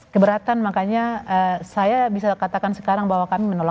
keberatan makanya saya bisa katakan sekarang bahwa kami menolak